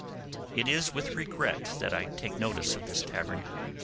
It is with regret that I take notice of this tavern.